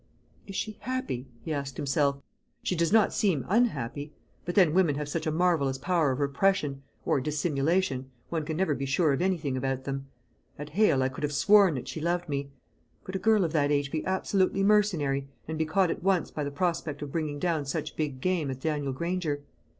"Is she happy?" he asked himself. "She does not seem unhappy; but then women have such a marvellous power of repression, or dissimulation, one can never be sure of anything about them. At Hale I could have sworn that she loved me. Could a girl of that age be absolutely mercenary, and be caught at once by the prospect of bringing down such big game as Daniel Granger?